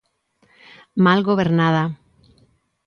Mal gobernada.